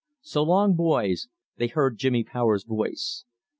"So long, boys," they heard Jimmy Powers's voice.